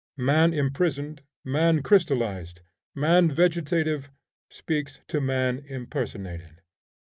Man imprisoned, man crystallized, man vegetative, speaks to man impersonated.